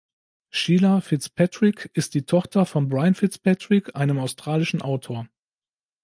Sheila Fitzpatrick ist die Tochter von Brian Fitzpatrick, einem australischen Autor.